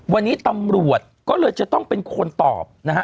วันนี้ตำรวจก็เลยจะต้องเป็นคนตอบนะฮะ